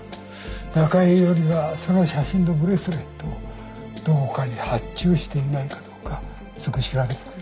中江伊織はその写真のブレスレットをどこかに発注していないかどうかすぐ調べてくれ。